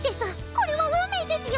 これは運命デスよ！